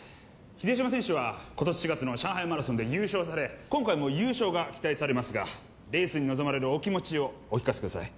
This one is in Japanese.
秀島選手は今年４月の上海マラソンで優勝され今回も優勝が期待されますがレースに臨まれるお気持ちをお聞かせください